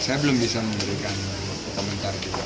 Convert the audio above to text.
saya belum bisa memberikan komentar juga